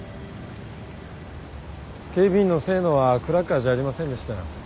警備員の清野はクラッカーじゃありませんでしたよ。